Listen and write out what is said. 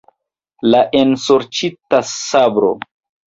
La ensorĉita sabro.